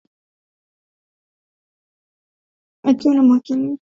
akiwa na mwakilishi maalum wa Umoja wa mataifa , Volker Perthes